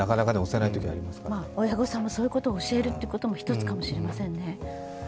親御さんもそういうことを教えるのも一つかもしれませんね。